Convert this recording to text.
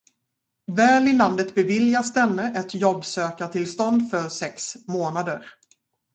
Väl i landet beviljas denne ett jobbsökartillstånd för sex månader.